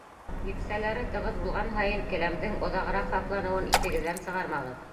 Епсәләре тығыҙ булған һайын келәмдең оҙағыраҡ һаҡланыуын иҫегеҙҙән сығармағыҙ.